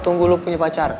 tunggu lo punya pacar